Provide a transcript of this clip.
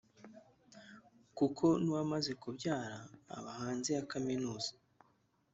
kuko n’uwamaze kubyara aba hanze ya kaminuza